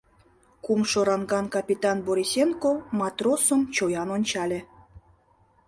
Кумшо ранган капитан Борисенко матросым чоян ончале.